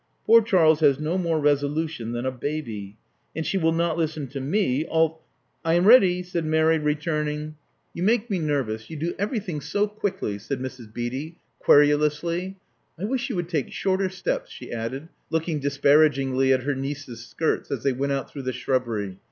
Poor Charles has no more resolution than a baby. And she will not listen to me, alth " "I am ready," said Mary, returning. Love Among the Artists 39 You make me nervous — you do everything so quickly," said Mrs. Beatty, querulously. I wish you would take shorter steps," she added, looking dis paragingly at her niece's skirts as they went out through the shrubbery.